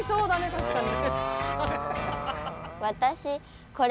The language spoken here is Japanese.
確かに。